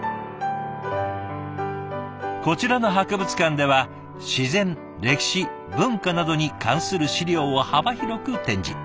こちらの博物館では自然歴史文化などに関する資料を幅広く展示。